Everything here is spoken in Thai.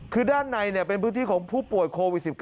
คือด้านในเป็นพื้นที่ของผู้ป่วยโควิด๑๙